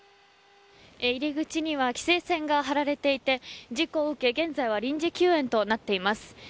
入り口には規制線が張られていて事故を受け、現在は臨時休園となっています。